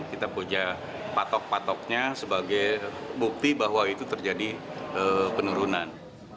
kita punya patok patoknya sebagai bukti bahwa itu terjadi penurunan